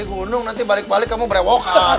kemot balik balik kamu berewokan